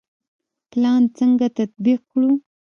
پلان څنګه تطبیق کړو؟